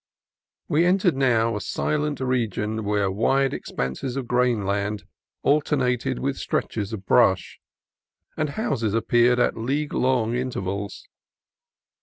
We entered now a silent region where wide ex panses of grain land alternated with stretches of brush, and houses appeared at league long intervals.